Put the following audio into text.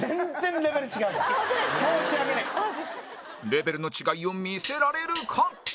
レベルの違いを見せられるか？